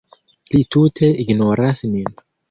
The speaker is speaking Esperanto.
Li tute ignoras nin.